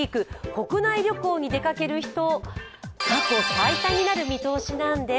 国内旅行に出かける人、過去最多になる見通しなんです。